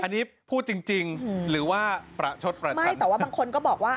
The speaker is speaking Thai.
อันนี้พูดจริงจริงหรือว่าประชดประมาทไม่แต่ว่าบางคนก็บอกว่า